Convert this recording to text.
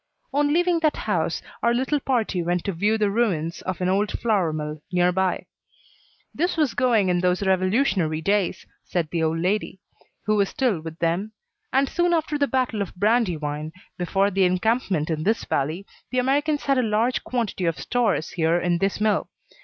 On leaving that house, our little party went to view the ruins of an old flour mill near by. "This was going in those revolutionary days," said the old lady, who was still with them, "and soon after the battle of Brandywine, before the encampment in this valley, the Americans had a large quantity of stores here in this mill.